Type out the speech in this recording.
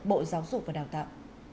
bộ giáo dục và đào tạo